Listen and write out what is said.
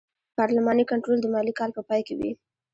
پارلماني کنټرول د مالي کال په پای کې وي.